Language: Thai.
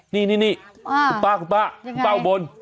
นี่นี่นี่อ่าคุณป้าคุณป้ายังไงคุณป้าอุบล